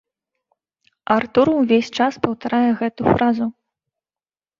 Артур увесь час паўтарае гэтую фразу.